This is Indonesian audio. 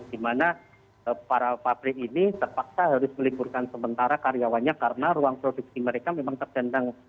di mana para pabrik ini terpaksa harus meliburkan sementara karyawannya karena ruang produksi mereka memang terdendang